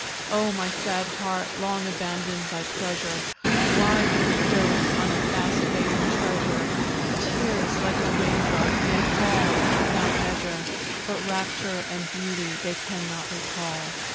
Oh! my sad heart! long abandoned by pleasure, Why did it dote on a fast fading treasure? Tears, like the raindrop, may fall without measure, But rapture and beauty they cannot recall.